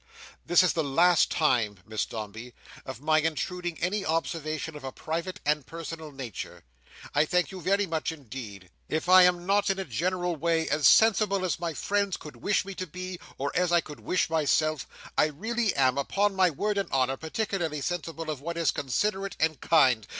This is the last time, Miss Dombey, of my intruding any observation of a private and personal nature. I thank you very much indeed. If I am not, in a general way, as sensible as my friends could wish me to be, or as I could wish myself, I really am, upon my word and honour, particularly sensible of what is considerate and kind.